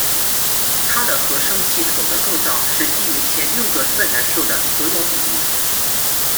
他的和声系统的构造是基于前六个自然数的所有比例。